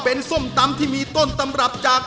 เป็นส้มตำที่มีต้นตำรับจาก